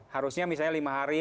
harusnya misalnya lima hari